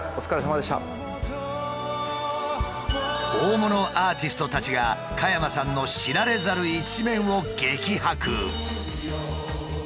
大物アーティストたちが加山さんの知られざる一面を激白！